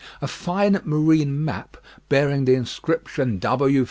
A fine marine map, bearing the inscription _W.